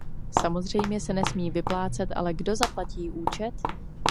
Samozřejmě se nesmí vyplácet, ale kdo zaplatí účet?